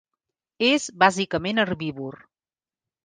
És bàsicament herbívor.